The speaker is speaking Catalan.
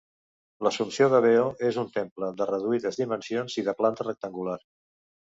L'Assumpció de Veo és un temple de reduïdes dimensions i de planta rectangular.